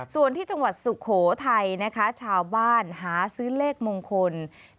ส่วนที่จังหวัดสุโขทัยนะคะชาวบ้านหาซื้อเลขมงคล